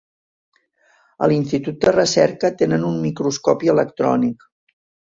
A l'institut de recerca tenen un microscopi electrònic.